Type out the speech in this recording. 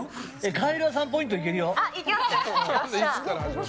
カエルは３ポイントいけるよ。